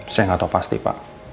saya nggak tahu pasti pak